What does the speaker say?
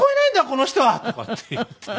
この人は」とかっていって。